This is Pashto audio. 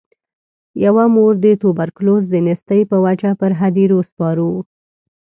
یوه مور د توبرکلوز د نیستۍ په وجه پر هدیرو سپارو.